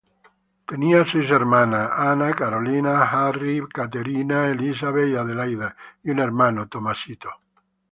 Tenía seis hermanas: Ann, Caroline, Harriet, Catherine, Elizabeth y Adelaida, y un hermano, Thomas.